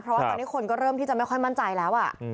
เพราะว่าตอนนี้คนก็เริ่มที่จะไม่ค่อยมั่นใจแล้ว